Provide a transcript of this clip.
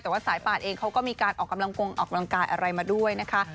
แต่ว่าสายป่านเองเขาก็มีการออกกำลังกงออกกำลังกายอะไรมาด้วยนะคะ